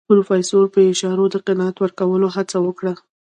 پروفيسر په اشارو د قناعت ورکولو هڅه وکړه.